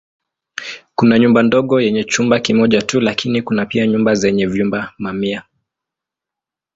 Kuna nyumba ndogo yenye chumba kimoja tu lakini kuna pia nyumba zenye vyumba mamia.